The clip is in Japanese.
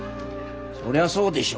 そりゃそうでしょう！